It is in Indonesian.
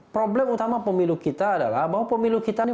problem utama pemilu kita adalah bahwa pemilu kita ini